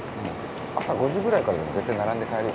朝５時ぐらいからでも絶対並んで買えるよね。